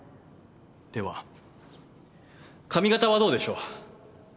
では髪形はどうでしょう？